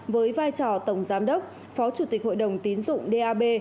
với vai trò tổng giám đốc phó chủ tịch hội đồng tín dụng dap